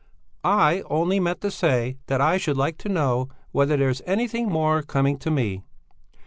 "I only meant to say that I should like to know whether there's anything more coming to me?"